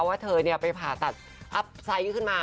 ว่าเธอไปผ่าตัดอัพไซต์ขึ้นมา